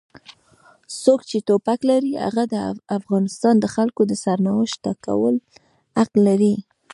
څوک چې ټوپک لري هغه د افغانستان د خلکو د سرنوشت ټاکلو حق لري.